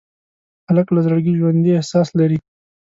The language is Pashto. هلک له زړګي ژوندي احساس لري.